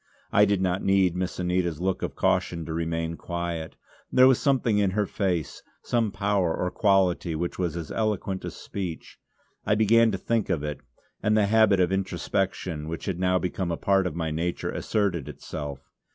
I did not need Miss Anita's look of caution to remain quiet; there was something in her face, some power or quality which was as eloquent as speech. I began to think of it; and the habit of introspection, which had now become a part of my nature, asserted itself.